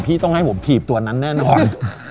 พี่ต้องให้ผมถีบตัวนั้นแน่นอน